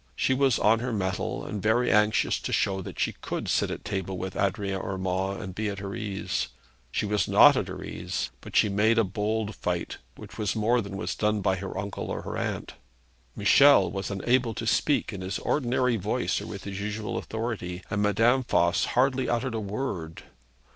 She was on her mettle, and very anxious to show that she could sit at table with Adrian Urmand, and be at her ease. She was not at her ease, but she made a bold fight which was more than was done by her uncle or her aunt. Michel was unable to speak in his ordinary voice or with his usual authority, and Madame Voss hardly uttered a word.